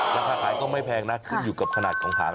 ราคาขายก็ไม่แพงนะขึ้นอยู่กับขนาดของหาง